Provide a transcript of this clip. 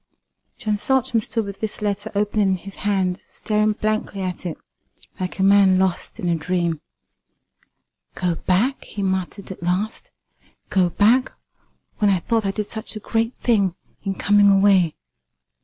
John Saltram stood with this letter open in his hand, staring blankly at it, like a man lost in a dream. "Go back!" he muttered at last "go back, when I thought I did such a great thing in coming away!